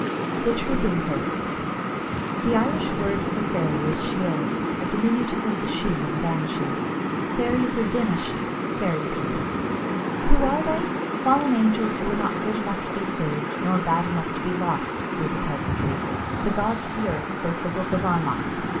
THE TROOPING FAIRIES. The Irish word for fairy is sheehogue [sidheóg], a diminutive of "shee" in banshee. Fairies are deenee shee [daoine sidhe] (fairy people). Who are they? "Fallen angels who were not good enough to be saved, nor bad enough to be lost," say the peasantry. "The gods of the earth," says the Book of Armagh.